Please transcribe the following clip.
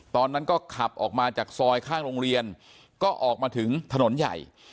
ตอนนั้นก็ขับออกมาจากซอยข้างโรงเรียนก็ออกมาถึงถนนใหญ่